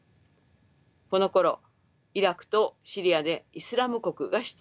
このころイラクとシリアでイスラム国が出現。